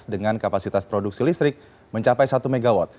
dengan kapasitas produksi listrik mencapai satu mw